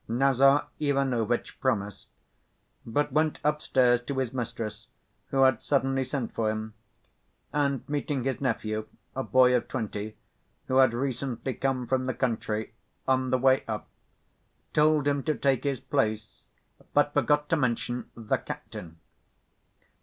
Nazar Ivanovitch promised, but went upstairs to his mistress who had suddenly sent for him, and meeting his nephew, a boy of twenty, who had recently come from the country, on the way up told him to take his place, but forgot to mention "the captain."